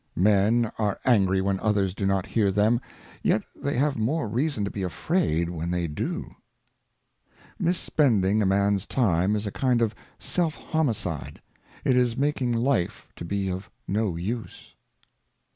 Men are angry when others do not hear them, yet they have more Reason to be afraid when they do. MISPENDING a Man's time is a kind of self homicide, it is Time the 1 • T •!! i 1. c loss of it. makmg Liie to be 01 no use.